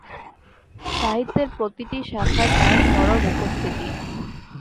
সাহিত্যের প্রতিটি শাখায় তার সরব উপস্থিতি।